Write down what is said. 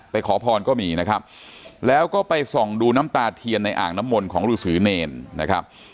ขอพรก็มีนะครับแล้วก็ไปส่องดูน้ำตาเทียนในอ่างน้ำมนต์ของฤษีเนรนะครับ